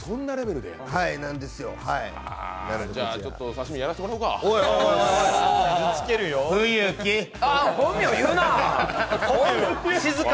じゃあちょっと刺身、やらせてもらおうか。